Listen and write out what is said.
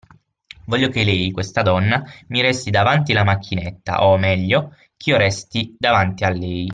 Voglio che lei, questa donna, mi resti davanti la macchinetta, o, meglio, ch'io resti davanti a lei